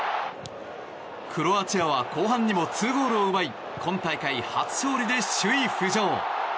クロアチアは後半にも２ゴールを奪い今大会初勝利で首位浮上。